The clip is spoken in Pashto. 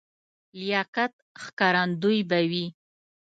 لیاقت ښکارندوی به وي.